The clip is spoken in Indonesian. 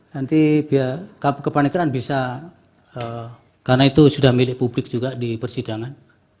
nanti biar kepanikan bisa karena itu sudah milik publik juga di persidangan